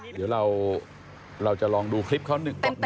เดี๋ยวเราจะลองดูคลิปเขาหนึ่งกว่าหน่อยนะครับ